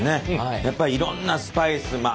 やっぱりいろんなスパイスまあ